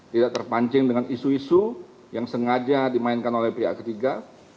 tidak terpancing dengan isu isu yang sengaja dimainkan oleh pihak ketiga